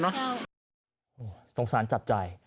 โทษภาษาจับใจ